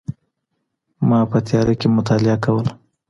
ما به په تیاره کي مطالعه کوله.